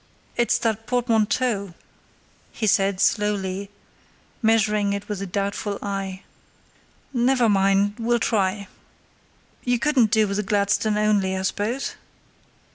It's that portmanteau," he said, slowly, measuring it with a doubtful eye. "Never mind! we'll try. You couldn't do with the Gladstone only, I suppose?